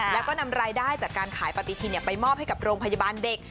แล้วก็นำรายได้จากการขายปฏิทินไปมอบให้กับโรงพยาบาลเด็ก